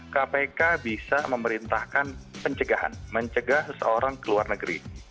kpk bisa memerintahkan pencegahan mencegah seorang keluar negeri